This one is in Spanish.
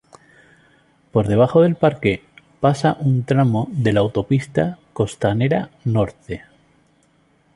Por debajo del parque pasa un tramo de la autopista Costanera Norte.